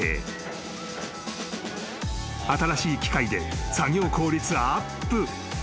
［新しい機械で作業効率アップ］